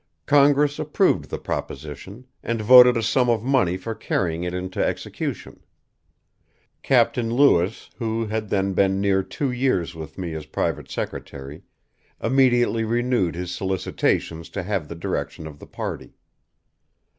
Congress approved the proposition, and voted a sum of money for carrying it into execution. Captain Lewis, who had then been near two years with me as private secretary, immediately renewed his solicitations to have the direction of the party."